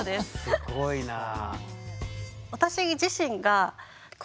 すごいなあ。